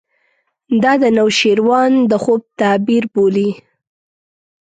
دا د نوشیروان د خوب تعبیر بولي.